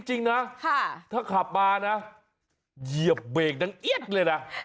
จริงนะถ้าขับมานะเหยียบเบรกดังเอี๊ยดเลยนะ